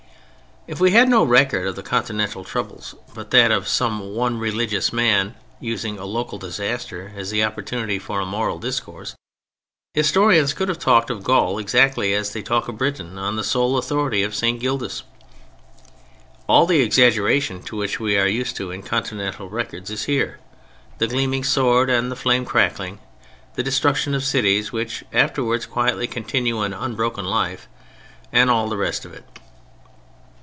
If we had no record of the continental troubles but that of some one religious man using a local disaster as the opportunity for a moral discourse, historians could have talked of Gaul exactly as they talk of Britain on the sole authority of St. Gildas. All the exaggeration to which we are used in continental records is here: the "gleaming sword" and the "flame crackling," the "destruction" of cities (which afterward quietly continue an unbroken life!) and all the rest of it.